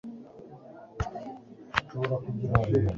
aho nagendaniye nawe wambwiye iki